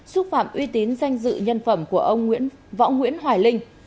xúc phạm uy tín danh dự nhân phẩm của ông võ nguyễn hoài linh